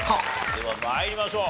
では参りましょう。